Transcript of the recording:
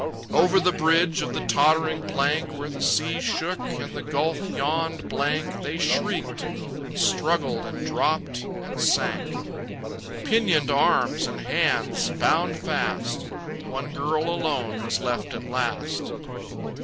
Over the bridge of the tottering plank, Where the sea shook and the gulf yawned blank, They shrieked and struggled and dropped and sank, Pinioned arms and hands bound fast. One girl alone was left at last.